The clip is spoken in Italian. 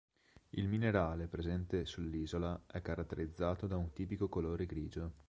Il minerale presente sull'isola è caratterizzato da un tipico colore grigio.